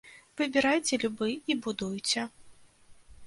Выбірайце любы і будуйце.